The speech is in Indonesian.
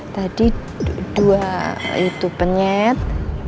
tadi dua itu penyet